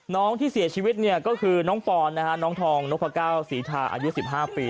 น้องที่เสียชีวิตเนี่ยก็คือน้องปอนนะฮะน้องทองนพก้าวศรีทาอายุ๑๕ปี